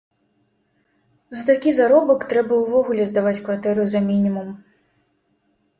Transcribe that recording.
За такі заробак трэба ўвогуле здаваць кватэру за мінімум.